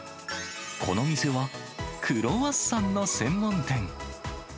この店はクロワッサンの専門店。